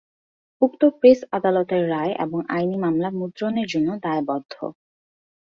উক্ত প্রেস আদালতের রায় এবং আইনী মামলা মুদ্রণের জন্য দায়বদ্ধ।